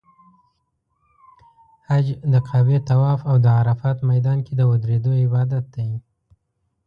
حج د کعبې طواف او د عرفات میدان کې د ودریدو عبادت دی.